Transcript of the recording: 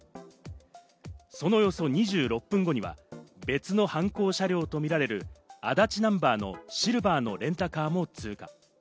その様子を２６分後には別の犯行車両とみられる、足立ナンバーのシルバーのレンタカーも通過。